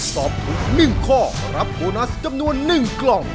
ตอบถูก๑ข้อรับโบนัสจำนวน๑กล่อง